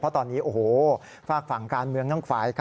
เพราะตอนนี้ฝากฝั่งการเมืองต้องฝ่าย